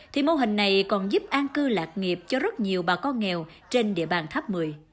thì mô hình này còn giúp an cư lạc nghiệp cho rất nhiều bà con nghèo trên địa bàn thấp một mươi